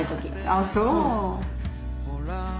ああそう。